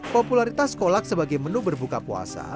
popularitas kolak sebagai menu berbuka puasa